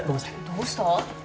どうした？